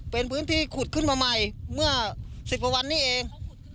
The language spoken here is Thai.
เป็นพื้นที่ขุดขึ้นมาใหม่เมื่อ๑๐กว่าวันนี้เอง